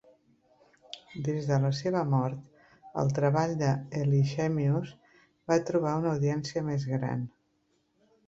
Des de la seva mort, el treball de Eilshemius va trobar una audiència més gran.